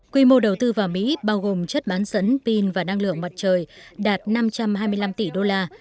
quy mô đầu tư vào mỹ bao gồm chất bán dẫn pin và năng lượng mặt trời đạt năm trăm hai mươi năm tỷ đô la